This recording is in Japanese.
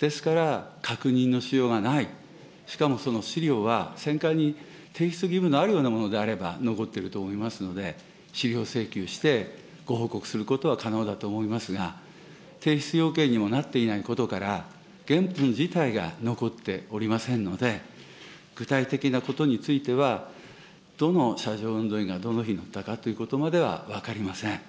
ですから確認のしようがない、しかもその資料は、選管に提出義務のあるようなものであれば残ってると思いますので、資料請求してご報告することは可能だと思いますが、提出要件にもなっていないことから、原本自体が残っておりませんので、具体的なことについては、どの車上運動員がどの日乗ったかということまでは分かりません。